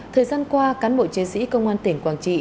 thời gian qua cán bộ chiến sĩ công an tỉnh quảng trị